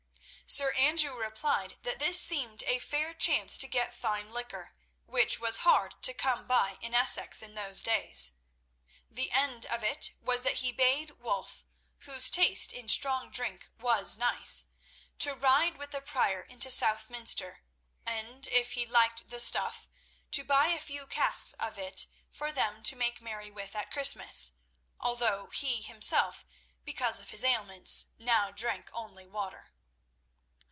Sir Andrew replied that this seemed a fair chance to get fine liquor, which was hard to come by in Essex in those times. The end of it was that he bade Wulf, whose taste in strong drink was nice, to ride with the Prior into Southminster, and if he liked the stuff to buy a few casks of it for them to make merry with at Christmas—although he himself, because of his ailments, now drank only water.